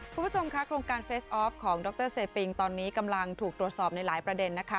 คุณผู้ชมค่ะโครงการเฟสออฟของดรเซปิงตอนนี้กำลังถูกตรวจสอบในหลายประเด็นนะคะ